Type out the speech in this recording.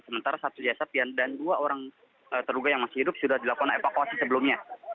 sementara satu jasad dan dua orang terduga yang masih hidup sudah dilakukan evakuasi sebelumnya